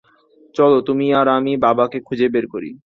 চলো তুমি আর আমি বাবাকে খুঁজে বের করি।